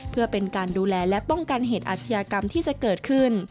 เพื่อเป็นการดูแลและป้องกันเหตุอาชญากรรมที่จะเกิดขึ้น